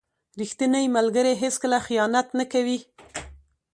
• ریښتینی ملګری هیڅکله خیانت نه کوي.